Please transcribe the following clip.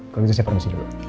kalau gitu saya permisi dulu